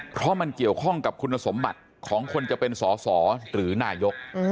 เพราะมันเกี่ยวข้องกับคุณสมบัติของคนจะเป็นสอสอหรือนายก